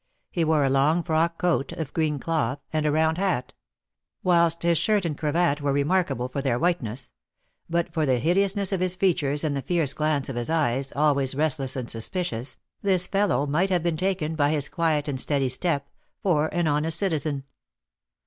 He wore a long frock coat of green cloth, and a round hat; whilst his shirt and cravat were remarkable for their whiteness. But for the hideousness of his features and the fierce glance of his eyes, always restless and suspicious, this fellow might have been taken, by his quiet and steady step, for an honest citizen.